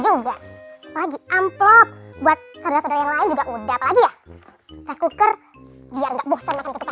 juga lagi amplop buat saudara saudara yang lain juga udah lagi ya kuker biar enggak bosan terus